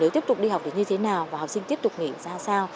nếu tiếp tục đi học thì như thế nào và học sinh tiếp tục nghỉ ra sao